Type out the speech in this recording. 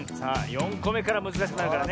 ４こめからむずかしくなるからね。